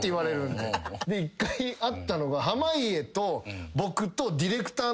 で一回あったのが。